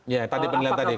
ya tadi penilaian tadi